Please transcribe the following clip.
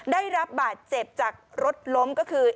ได้รับบาดเจ็บจากรถล้มก็คือ